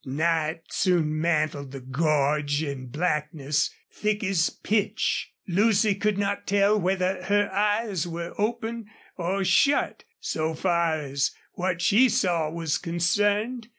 Night soon mantled the gorge in blackness thick as pitch. Lucy could not tell whether her eyes were open or shut, so far as what she saw was concerned.